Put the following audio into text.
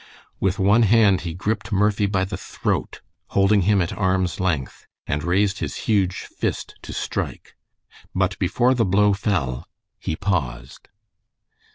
With one hand he gripped Murphy by the throat, holding him at arm's length, and raised his huge fist to strike. But before the blow fell he paused.